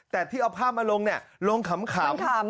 แต่ที่เอาภาพมาลงลงขำ